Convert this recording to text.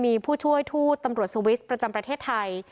มีผู้ช่วยทูตตำรวจสวิสต์ประจำประเทศไทย